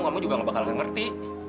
kamu juga nggak bakalan ngerti